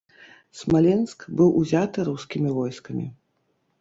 Смаленск быў узяты рускімі войскамі.